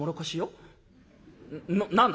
「なっ何だ？